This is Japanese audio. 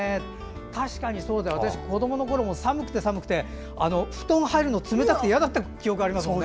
確かに、子どものころ寒くて寒くて布団から出るの冷たくて嫌だった記憶がありますね。